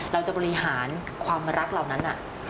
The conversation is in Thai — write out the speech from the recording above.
เราจะบริหารความรักเหล่านั้น